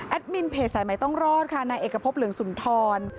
มินเพจสายใหม่ต้องรอดค่ะนายเอกพบเหลืองสุนทร